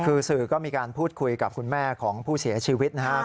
คือสื่อก็มีการพูดคุยกับคุณแม่ของผู้เสียชีวิตนะครับ